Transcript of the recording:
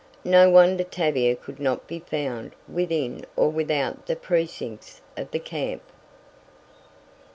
No wonder Tavia could not be found within or without the precincts of the camp.